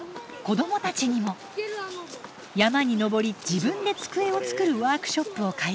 山に登り自分で机を作るワークショップを開催。